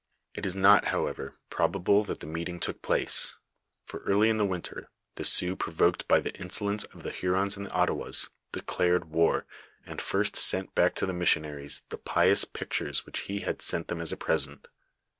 It is not, however, probable that the meeting took place ; for early in the winter the Sioux, provoked by the insolence of the Hurons and Ottawas, declared war, and first sent back to the missionaries the pious pictures which he had sent them as a present.